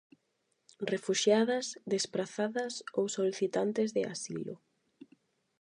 Refuxiadas, desprazadas ou solicitantes de asilo.